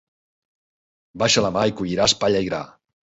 Baixa la mà i colliràs palla i gra.